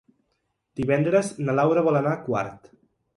Divendres na Laura vol anar a Quart.